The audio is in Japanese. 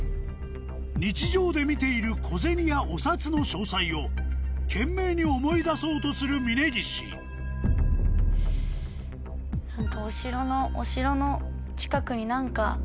日常で見ている小銭やお札の詳細を懸命に思い出そうとする峯岸何か。